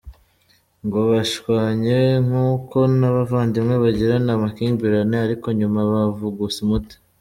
Ngo bashwanye nk’uko n’abavandimwe bagirana amakimbirane ariko nyuma bavuguse umuti.